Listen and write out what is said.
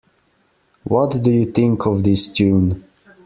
What do you think of this Tune?